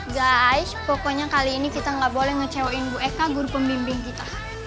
guysh pokoknya kali ini kita nggak boleh ngecewain bu eka guru pembimbing kita